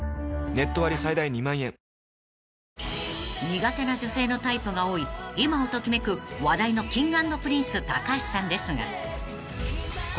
［苦手な女性のタイプが多い今を時めく話題のＫｉｎｇ＆Ｐｒｉｎｃｅ橋さんですが］